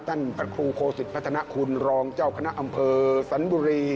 ท่านพระครูโคสิตพัฒนาคุณรองเจ้าคณะอำเภอสันบุรี